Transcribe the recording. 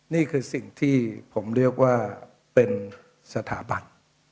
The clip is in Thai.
นี่คือสิ่งที่ผมเรียกว่าเป็นสถาบัน